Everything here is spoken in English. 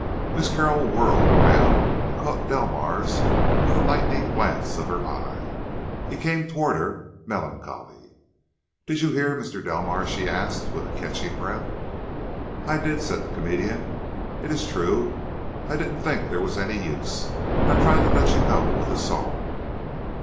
Miss Carroll whirled around and caught Delmars with a lightning glance of her eye. He came toward her, melancholy. "Did you hear, Mr. Delmars?" she asked, with a catching breath. "I did," said the comedian. "It is true. I didn't think there was any use. I tried to let you know with the song."